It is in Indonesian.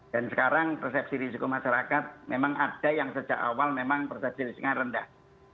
dan sekarang persepsi risiko masyarakat memang ada yang sejak awal memang persepsi risiko rendah